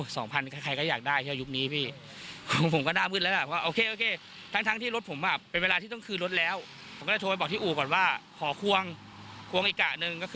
สองพันไม่ได้ให้เขาไปอีกร้อยหนึ่งโอ้โห